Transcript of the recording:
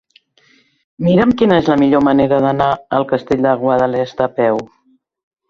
Mira'm quina és la millor manera d'anar al Castell de Guadalest a peu.